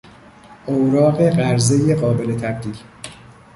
اوراق قرضهی قابل تبدیل